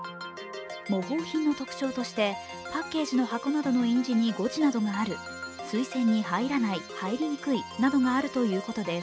模倣品の特徴としてパッケージの箱の印字などに誤字などがある、水栓に入らない、入りにくいなどがあるということです。